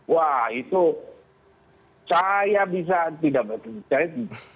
wah itu saya bisa tidak berpikir